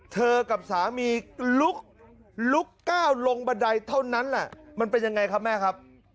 เธอกับสามีลุกลุกก้าวลงบันไดเท่านั้นแหละ